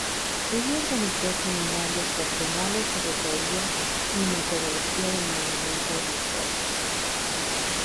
Ella organizó seminarios regionales sobre teoría y metodología del movimiento de mujeres.